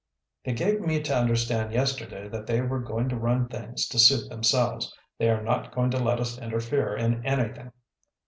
"They gave me to understand yesterday that they were going to run things to suit themselves. They are not going to let us interfere in anything."